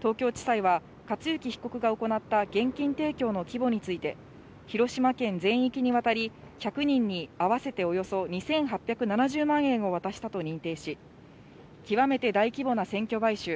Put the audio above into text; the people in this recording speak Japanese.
東京地裁は、克行被告が行った現金提供の規模について、広島県全域にわたり、１００人に合わせておよそ２８７０万円を渡したと認定し、極めて大規模な選挙買収。